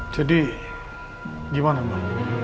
jadi gimana pa